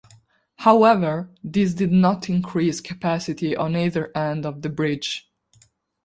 However, this did not increase capacity on either end of the bridge.